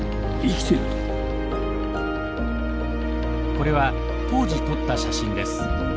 これは当時撮った写真です。